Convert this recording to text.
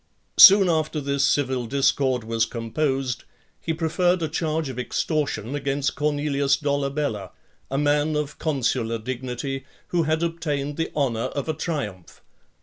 IV. Soon after this civil discord was composed, he preferred a charge of extortion against Cornelius Dolabella, a man of consular dignity, who had obtained the honour of a triumph.